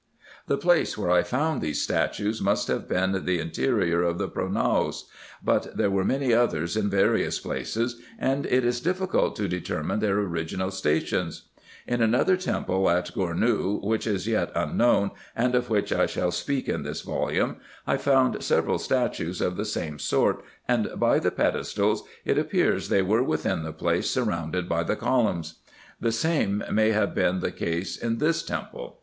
The place where I found these statues must have been the in terior of the pronaos ; but there were many others in various places, and it is difficult to determine their original stations. In another temple in Gournou, which is yet unknown, and of which I shall speak in this volume, I found several statues of the same sort, and by the pedestals it appears they were within the place surrounded by the columns. The same may have been the case in this temple.